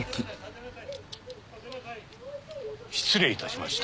失礼いたしました。